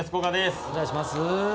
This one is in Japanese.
はいお願いします